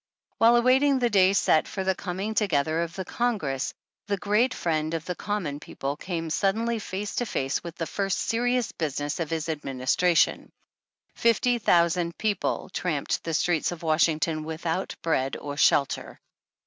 While awaiting the day set for the coming together of the Congress, the Great Friend of the Common People " came suddenly face to face with the first serious business of his Administration. Fifty thou sand people tramped the streets of V/ashington without bread or shelter.